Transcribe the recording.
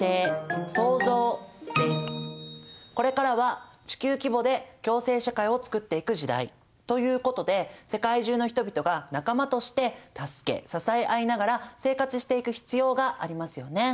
これからは地球規模で共生社会をつくっていく時代ということで世界中の人々が仲間として助け支え合いながら生活していく必要がありますよね？